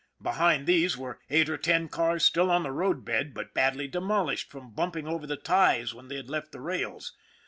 Behind these were eight or ten cars still on the road bed, but badly demolished from bumping over the ties when they had left the rails.